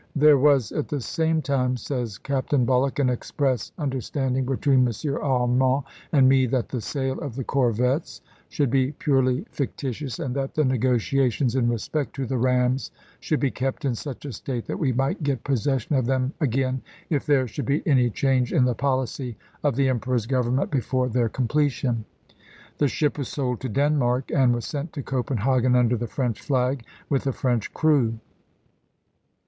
" There was at the same time," says Captain Bulloch, "an express under standing between M. Arman and me that the sale „„,. of the corvettes should be purely fictitious and Bulloch * J ^j JSew7' *nat the negotiations in respect to the rams should "secret ^e kept in such a state that we might get posses tlleconfei sion of them again if there should be any change in S Europe!" the policy of the Emperor's Government before their p.45." completion." The ship was sold to Denmark and was sent to Copenhagen under the French flag, with a French crew.